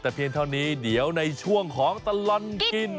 แต่เพียงเท่านี้เดี๋ยวในช่วงของตลอดกิน